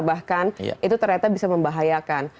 bahkan itu ternyata bisa membahayakan